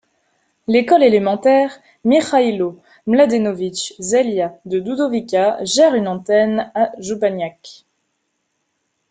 L'école élémentaire Mihajlo Mladenović Selja de Dudovica gère une antenne à Županjac.